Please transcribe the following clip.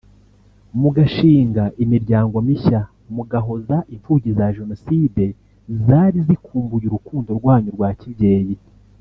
mugashinga imiryango mishya mugahoza impfubyi za Jenoside zari zikumbuye urukundo rwanyu rwa kibyeyi